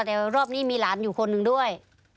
แต่รอบนี้มีหลานอยู่คนหนึ่งด้วย